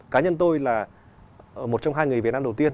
cá nhân tôi là một trong hai người việt nam đầu tiên